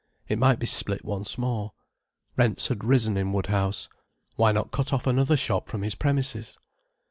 It might be split once more. Rents had risen in Woodhouse. Why not cut off another shop from his premises?